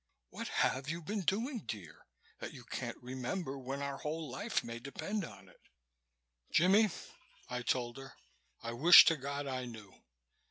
What have you been doing, dear, that you can't remember when our whole life may depend on it?" "Jimmie," I told her. "I wish to God I knew.